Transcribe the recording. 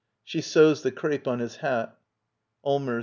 [She sews the crepe on his hat.] Allmers.